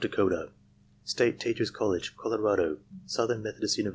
Dakota State Teachers College, Colo Southern MethodUt Univ.